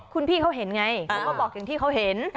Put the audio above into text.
คุณพี่เขาเห็นไงเขาก็บอกอย่างที่เขาเห็น